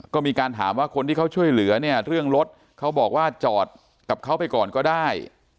ก็มีการถามว่าคนที่เขาช่วยเหลือเนี่ยเรื่องรถเขาบอกว่าจอดกับเขาไปก่อนก็ได้